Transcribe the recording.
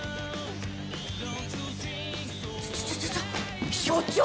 ちょちょちょちょ所長！